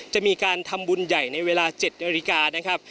จะมีการทำบุญใหญ่ในเวลา๗นาฬิกานะครับ